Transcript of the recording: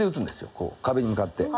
こう壁に向かって。